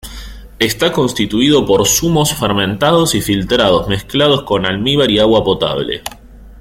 Está constituido por zumos fermentados y filtrados mezclados con almíbar y agua potable.